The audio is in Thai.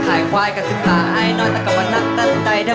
ขายควายได้เงินสามปันแจบจันทร์ให้เหลือ